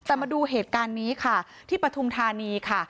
แต่มาดูเหตุการณ์นี้ค่ะที่ปฐุมธานีค่ะ